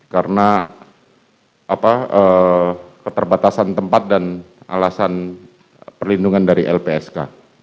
karena keterbatasan tempat dan alasan perlindungan dari lpsk